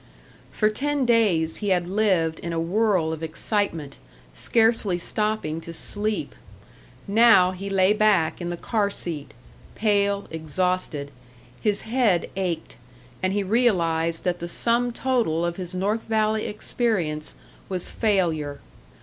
For ten days he had lived in a whirl of excitement, scarcely stopping to sleep. Now he lay back in the car seat, pale, exhausted; his head ached, and he realised that the sum total of his North Valley experience was failure.